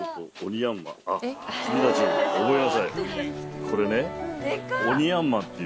とこれね。